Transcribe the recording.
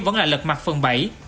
vẫn là lật mặt phần bẫy